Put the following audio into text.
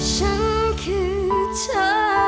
ฉันคือเธอ